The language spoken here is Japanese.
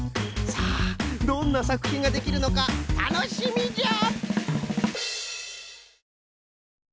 さあどんなさくひんができるのかたのしみじゃ！